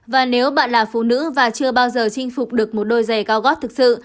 và nếu bạn là phụ nữ và chưa bao giờ chinh phục được một đôi giày cao góp thực sự